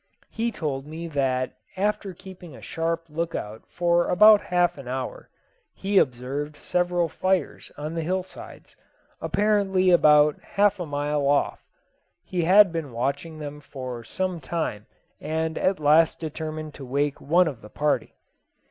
He told me that, after keeping a sharp look out for about half an hour, he observed several fires on the hill sides, apparently about half a mile off; he had been watching them for some time, and at last determined to wake one of the party.